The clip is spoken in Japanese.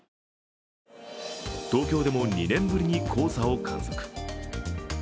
東京でも２年ぶりに黄砂を観測。